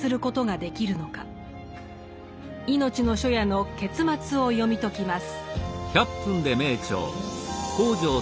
「いのちの初夜」の結末を読み解きます。